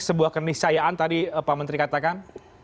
sebuah keniscayaan tadi pak menteri katakan